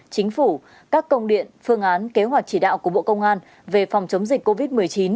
chính phủ các công điện phương án kế hoạch chỉ đạo của bộ công an về phòng chống dịch covid một mươi chín